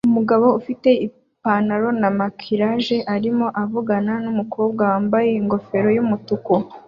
Umugabo ufite ipanaro na maquillage arimo avugana numukobwa wambaye ingofero yumutuku